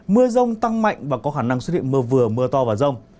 mưa rông tăng mạnh và có khả năng xuất hiện mưa vừa mưa to và rông